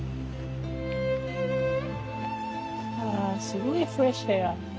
あすごいフレッシュエア。